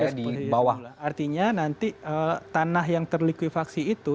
di posisi semula artinya nanti tanah yang terlikuifaksi itu